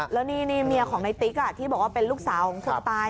แล้วนี่เมียของในติ๊กที่บอกว่าเป็นลูกสาวของคนตาย